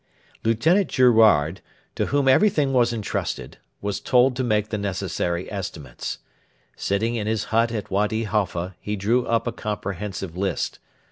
Lieutenant Girouard, to whom everything was entrusted, was told to make the necessary estimates. Sitting in his hut at Wady Halfa, he drew up a comprehensive list.